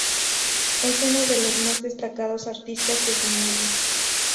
Es uno de los más destacados artistas de su medio.